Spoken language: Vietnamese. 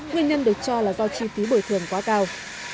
nguyên nhân được cho là do chi phí bồi thường quá cao